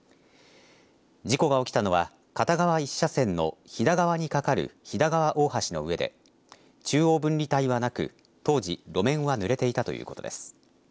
事故が起きたのは、片側１車線の飛騨川にかかる飛騨川大橋の上で中央分離帯はなく当時、路面はぬれていたということです。